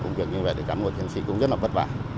làm việc như vậy để gắn một nhân sĩ cũng rất là vất vả